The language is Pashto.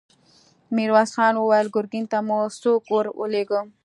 ميرويس خان وويل: ګرګين ته مو څوک ور ولېږه؟